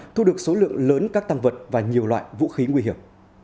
thu được số lượng lớn các tăng vật và nhiều loại vũ khí nguy hiểm